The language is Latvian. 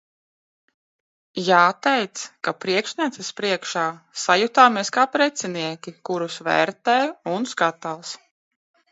Jāteic, ka priekšnieces priekšā sajutāmies kā precinieki, kurus vērtē un skatās.